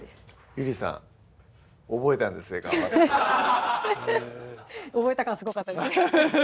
ゆりさん覚えたんですね頑張って覚えた感すごかったですね